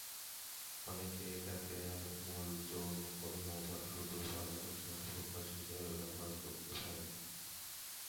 অনেকে এটাকে মূল যৌনকর্ম বা শুধু ভালোবাসার প্রকাশ হিসেবে ব্যবহার করতে পারেন।